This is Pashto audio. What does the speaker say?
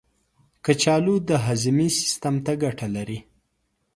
کچالو د هاضمې سیستم ته ګټه لري.